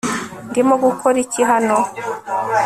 ndimo gukora iki hano